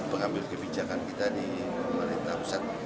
pengambil kebijakan kita di pemerintah pusat